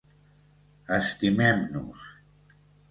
Estimem-nos.